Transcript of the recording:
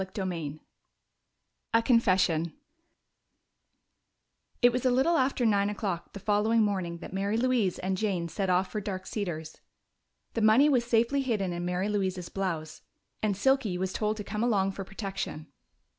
CHAPTER VIII A Confession It was a little after nine o'clock the following morning that Mary Louise and Jane set off for Dark Cedars. The money was safely hidden in Mary Louise's blouse, and Silky was told to come along for protection.